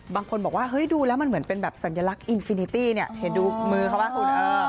บางคนบอกว่าเฮ้ยดูแล้วมันเหมือนเป็นแบบสัญลักษณ์อินฟินิตี้เนี่ยเห็นดูมือเขาไหมคุณ